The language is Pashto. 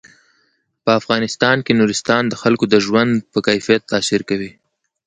په افغانستان کې نورستان د خلکو د ژوند په کیفیت تاثیر کوي.